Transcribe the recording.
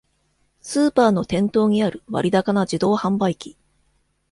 スーパーの店頭にある割高な自動販売機